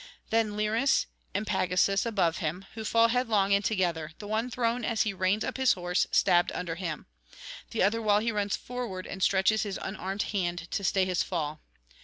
Then Liris and Pagasus above him; who fall headlong and together, the one thrown as he reins up his horse stabbed under him, the other while he runs forward and stretches his unarmed hand to stay his fall.